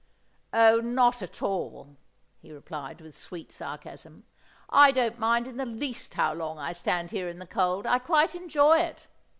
"Oh, not at all!" he replied, with sweet sarcasm. "I don't mind in the least how long I stand here in the cold. I quite enjoy it."